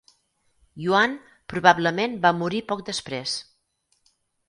Yuan probablement va morir poc després.